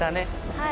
はい。